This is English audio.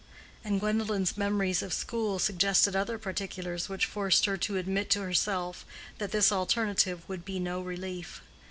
And Gwendolen's memories of school suggested other particulars which forced her to admit to herself that this alternative would be no relief.